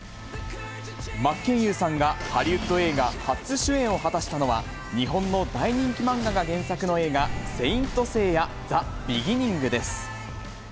真剣佑さんがハリウッド映画初主演を果たしたのは、日本の大人気漫画が、原作の映画、聖闘士星矢ＴｈｅＢｅｇｉｎｉｎｇです。